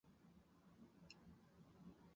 好员警也会保护受审者不受坏员警的侵犯。